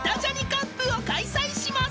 カップを開催します］